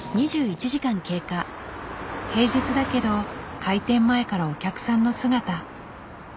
平日だけど開店前からお客さんの姿。